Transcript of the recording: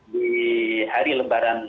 di hari lembaran